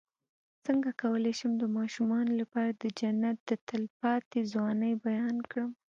څنګه کولی شم د ماشومانو لپاره د جنت د تل پاتې ځوانۍ بیان کړم